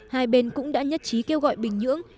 hai bên cũng đã nhất trí kêu gọi bình nhưỡng